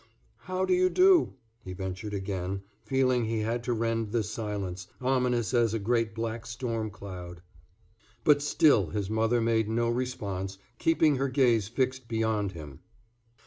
"How do you do?" he ventured again, feeling he had to rend this silence, ominous as a great black storm cloud. But still his mother made no response, keeping her gaze fixed beyond him.